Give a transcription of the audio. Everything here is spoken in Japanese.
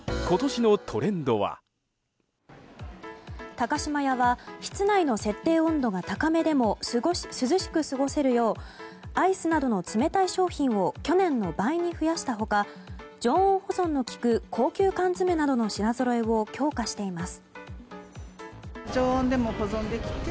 高島屋は室内の設定温度が高めでも涼しく過ごせるようアイスなどの冷たい商品を去年の倍に増やした他常温保存のきく高級缶詰などの品ぞろえを強化しています。